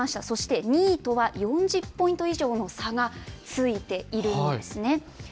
そして２位とは４０ポイント以上の差がついているんですね。